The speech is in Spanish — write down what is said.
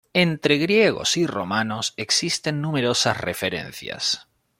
Entre griegos y romanos, existen numerosas referencias.